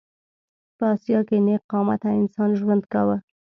په اسیا کې نېغ قامته انسان ژوند کاوه.